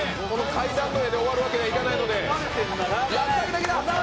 この階段の上で終わるわけにはいかないので。